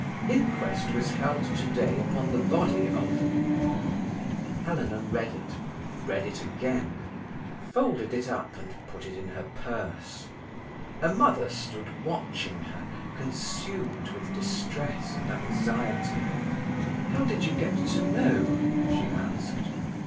"Inquest was held today upon the body of ——." Helena read it, read it again, folded it up and put it in her purse. Her mother stood watching her, consumed with distress and anxiety. "How did you get to know?" she asked.